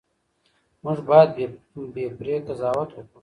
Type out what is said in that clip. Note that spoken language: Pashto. موږ باید بې پرې قضاوت وکړو.